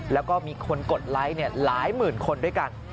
แล้วก็มีคนกดไลค์หลายหมื่นคนด้วยกัน